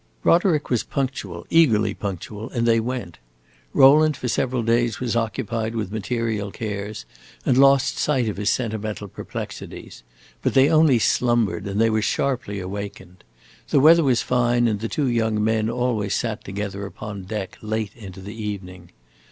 Roderick was punctual, eagerly punctual, and they went. Rowland for several days was occupied with material cares, and lost sight of his sentimental perplexities. But they only slumbered, and they were sharply awakened. The weather was fine, and the two young men always sat together upon deck late into the evening.